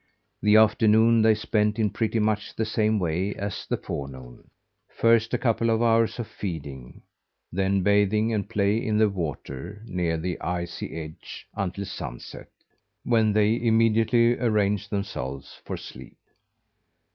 The afternoon they spent in pretty much the same way as the forenoon. First, a couple of hours feeding, then bathing and play in the water near the ice edge until sunset, when they immediately arranged themselves for sleep.